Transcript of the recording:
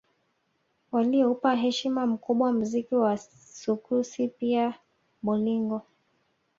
Walioupa heshima kubwa mziki wa sukusi pia bolingo